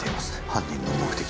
犯人の目的は。